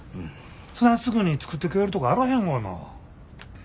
そないすぐに作ってくれるとこあらへんがな。